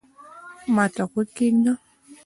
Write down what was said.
ما ته غوږ کېږده